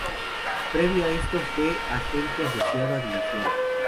Previo a esto fue agente asociado a División.